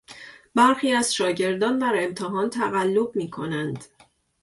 برخی از شاگردان در امتحان تقلب میکنند.